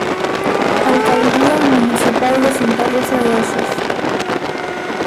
Alcaldía Municipal de Santa Rosa de Osos.